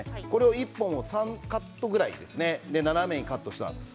１本を３カットぐらい斜めにカットします。